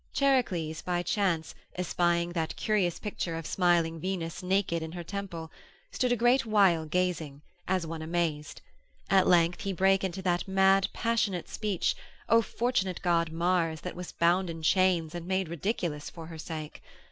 Charicles, by chance, espying that curious picture of smiling Venus naked in her temple, stood a great while gazing, as one amazed; at length, he brake into that mad passionate speech, O fortunate god Mars, that wast bound in chains, and made ridiculous for her sake!